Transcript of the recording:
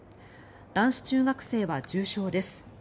男子中学生は重傷です。